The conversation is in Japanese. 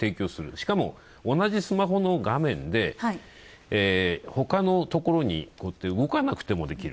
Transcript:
しかも同じスマホの画面でほかのところに動かなくてもできる。